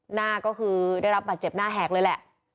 หน้าก็คือได้รับบาดเจ็บหน้าแหกเลยแหละ